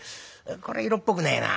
これは色っぽくねえな。